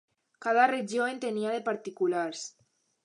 Cada regió en tenia de particulars.